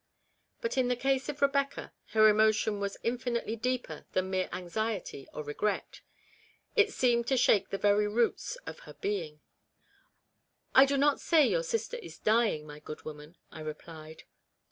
But in the case of Rebecca, her emotion was infinitely deeper than mere anxiety or regret ; it seemed to shake the very roots of her being. " I do not say your sister is dying, my good woman," I replied.